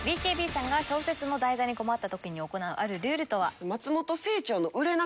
ＢＫＢさんが小説の題材に困った時に行うあるルールとは？